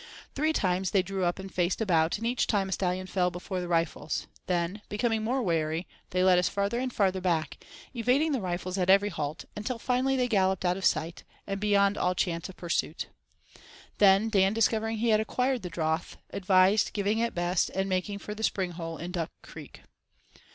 Three times they drew up and faced about and each time a stallion fell before the rifles, then, becoming more wary, they led us farther and farther back, evading the rifles at every halt, until finally they galloped out of sight, and beyond all chance of pursuit. Then, Dan discovering he had acquired the "drouth," advised "giving it best" and making for the Spring Hole in Duck Creek.